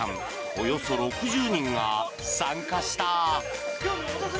およそ６０人が参加した。